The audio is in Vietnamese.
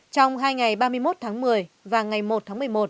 trong hai ngày ba mươi một tháng một mươi và ngày một tháng một mươi một